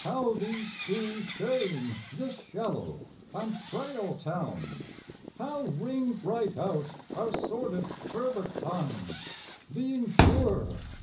How these two shame this shallow and frail town! How ring right out our sordid turbid time, Being pure!